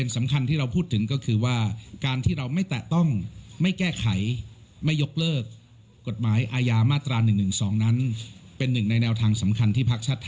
สำคัญที่พักชาติไทยยึดไว้